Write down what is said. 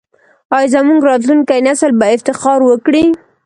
آیا زموږ راتلونکی نسل به افتخار وکړي؟